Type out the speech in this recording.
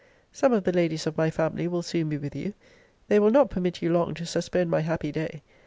Some of the ladies of my family will soon be with you: they will not permit you long to suspend my happy day.